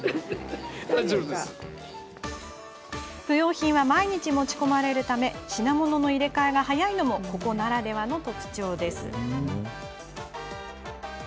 不要品は毎日、持ち込まれるため品物の入れ替えが早いのもここならではの特徴です。